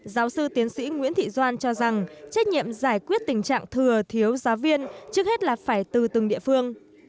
giáo sư tiến sĩ nguyễn thị doan cho rằng trách nhiệm giải quyết tình trạng thừa thiếu giáo viên trước hết là phải từ từng địa phương